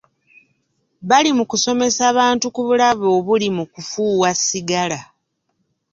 Bali mu kusomesa bantu ku bulabe obuli mu kufuuwa sigala.